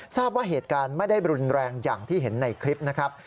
ทราบว่าเหตุการณ์ไม่ได้รุนแรงอย่างที่เห็นในคลิปนะครับ